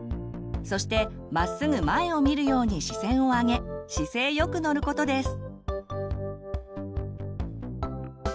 そしてまっすぐ前を見るように視線を上げ姿勢よく乗ることです。